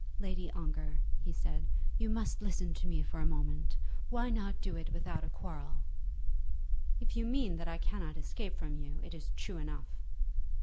"Lady Ongar," he said, "you must listen to me for a moment. Why not do it without a quarrel?" "If you mean that I cannot escape from you, it is true enough."